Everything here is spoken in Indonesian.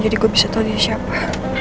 jadi gue bisa tau dia siapa